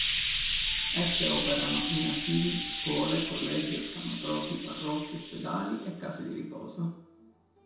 Esse operano in asili, scuole, collegi, orfanotrofi, parrocchie, ospedali e case di riposo.